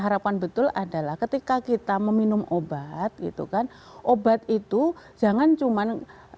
harapan betul adalah ketika kita meminum obat gitu kan obat itu jangan cuman